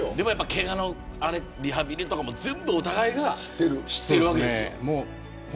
けがのリハビリとかも全部お互いが知っているわけですよ。